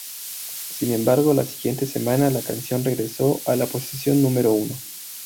Sin embargo, la siguiente semana la canción regresó a la posición número uno.